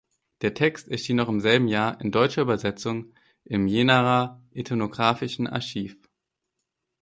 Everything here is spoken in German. Der Text erschien noch im selben Jahr in deutscher Übersetzung im Jenaer "Ethnographischen Archiv".